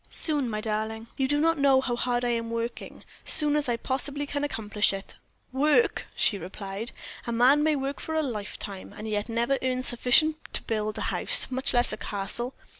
"Soon, my darling you do not know how hard I am working soon as I can possibly accomplish it." "Work!" she replied. "A man may work for a lifetime and yet never earn sufficient to build a house, much less a castle.